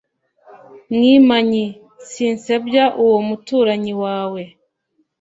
mwimanyi sinsebya uwo muturanyi wawe,